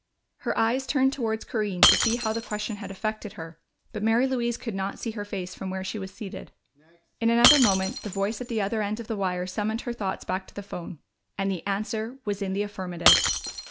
Her eyes turned towards Corinne to see how the question had affected her, but Mary Louise could not see her face from where she was seated. In another moment the voice at the other end of the wire summoned her thoughts back to the phone. And the answer was in the affirmative!